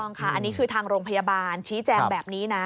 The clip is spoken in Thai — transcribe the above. ค่ะอันนี้คือทางโรงพยาบาลชี้แจงแบบนี้นะ